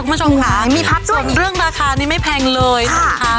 คุณผู้ชมค่ะมีพักด้วยส่วนเรื่องราคานี้ไม่แพงเลยนะคะ